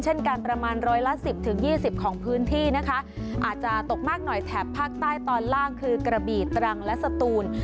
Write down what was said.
เช่นกันประมาณร้อยละสิบถึงยี่สิบของพื้นที่นะคะอาจจะตกมากหน่อยแถบภาคใต้ตอนล่างคือกระบีตรังและสตูน